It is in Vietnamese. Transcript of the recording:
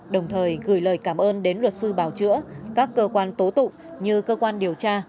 đồng thời gửi lời cảm ơn đến luật sư bào chữa các cơ quan tố tụng như cơ quan điều tra